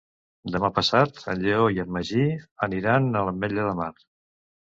Demà passat en Lleó i en Magí aniran a l'Ametlla de Mar.